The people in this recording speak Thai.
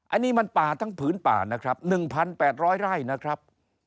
อันนี้มันป่าทั้งผืนป่านะครับ๑๘๐๐ไร่นะครับ